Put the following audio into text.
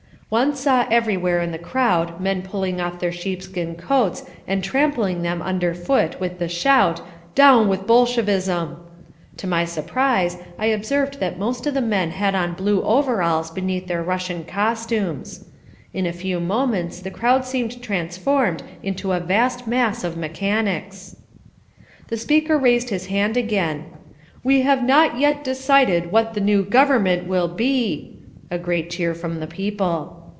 One saw everywhere in the crowd men pulling off their sheepskin coats and tramping them under foot with the shout, "Down with Bolshevism!" To my surprise I observed that most of the men had on blue overalls beneath their Russian costumes. In a few moments the crowd seemed transformed into a vast mass of mechanics. The speaker raised his hand again. "We have not yet decided what the new Government will be" A great cheer from the people.